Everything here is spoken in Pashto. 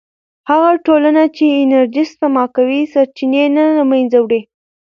هغه ټولنه چې انرژي سپما کوي، سرچینې نه له منځه وړي.